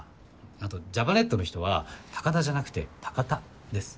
あとジャパネットの人は「たかだ」じゃなくて「たかた」です。